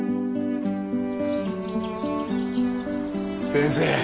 先生